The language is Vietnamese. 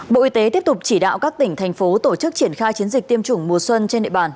bộ y tế tiếp tục chỉ đạo các tỉnh thành phố tổ chức triển khai chiến dịch tiêm chủng mùa xuân trên địa bàn